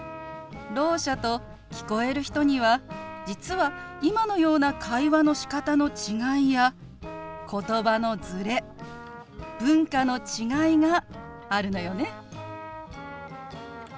ろう者と聞こえる人には実は今のような会話のしかたの違いや言葉のズレ文化の違いがあるのよね。